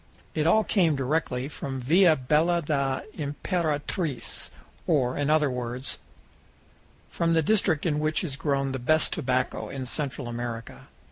It all came direct from Villa Bella da Imperatriz or, in other words, fro the district in which is grown the best tobacco in Central America.